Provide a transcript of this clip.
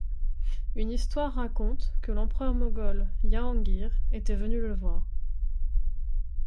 Une histoire raconte que l'empereur moghol Jahangir était venu le voir.